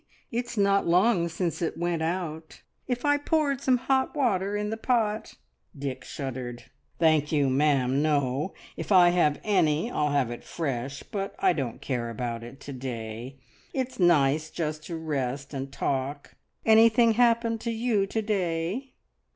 It's not long since it went out. If I poured some hot water in the pot..." Dick shuddered. "Thank you, ma'am, no! If I have any, I'll have it fresh, but I don't care about it to day. It's nice just to rest and talk. Anything happened to you to day?"